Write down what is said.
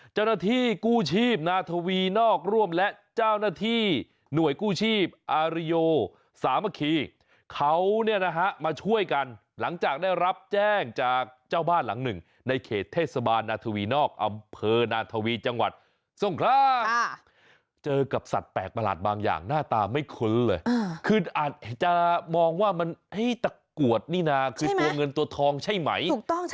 ใช่ไหมถูกต้องใช่หรือเปล่าตัวเงินตัวทองใช่ไหม